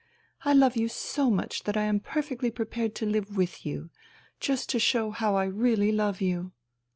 I love you so much that I am perfectly prepared to live with you ... just to show you how I really love you.'